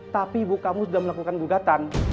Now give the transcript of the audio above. tapi ibu kamu sudah melakukan gugatan